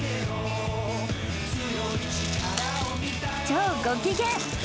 ［超ご機嫌］